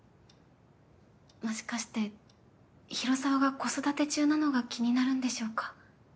もしかして広沢が子育て中なのが気になるんでしょうか？